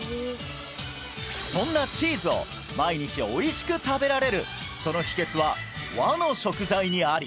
そんなチーズを毎日おいしく食べられるその秘訣は和の食材にあり！